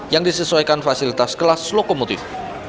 yang disesuaikan fasilitas kelas lokomotif